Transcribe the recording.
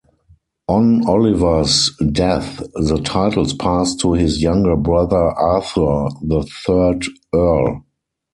On Oliver's death the titles passed to his younger brother, Arthur, the third Earl.